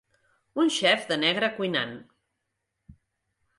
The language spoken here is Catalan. Un xef de negre cuinant.